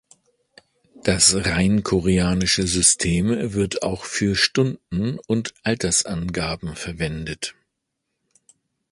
Das rein koreanische System wird auch für Stunden und Altersangaben verwendet.